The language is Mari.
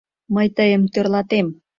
Мый тыйым тӧрлатем...